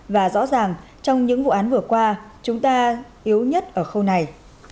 và rõ ràng trong những vụ án vừa qua chúng ta yếu nhất ở khâu này